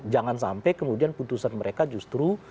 jangan sampai kemudian putusan mereka justru